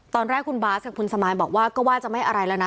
ตอนแรกคุณบาสกับคุณสมายบอกว่าก็ว่าจะไม่อะไรแล้วนะ